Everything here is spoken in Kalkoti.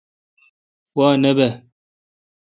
وا نہ بہ۔